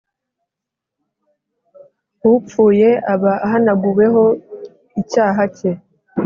Upfuye aba ahanaguweho icyaha cye